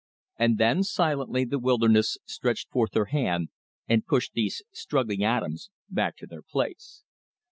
And then silently the wilderness stretched forth her hand and pushed these struggling atoms back to their place.